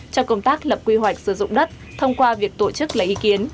cho công tác lập quy hoạch sử dụng đất thông qua việc tổ chức lấy ý kiến